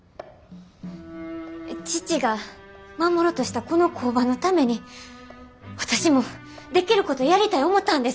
父が守ろうとしたこの工場のために私もできることやりたい思たんです。